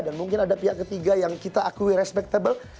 dan mungkin ada pihak ketiga yang kita akui respectable